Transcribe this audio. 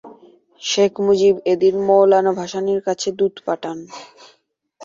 শেখ মুজিব এদিন মওলানা ভাসানীর কাছে দূত পাঠান।